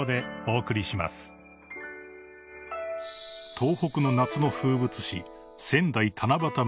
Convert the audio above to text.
［東北の夏の風物詩］